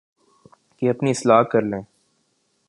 کہ اپنی اصلاح کر لیں